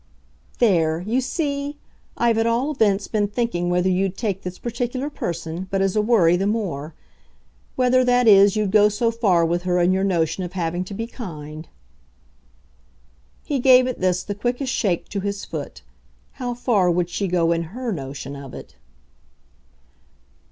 "There you see! I've at all events been thinking whether you'd take this particular person but as a worry the more. Whether, that is, you'd go so far with her in your notion of having to be kind." He gave at this the quickest shake to his foot. How far would she go in HER notion of it.